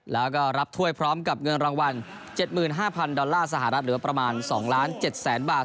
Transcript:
แล้วก็รับถ้วยพร้อมกับเงินรางวัล๗๕๐๐ดอลลาร์สหรัฐเหลือประมาณ๒ล้าน๗แสนบาท